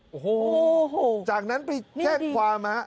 โอ้โหจากนั้นไปแจ้งความฮะ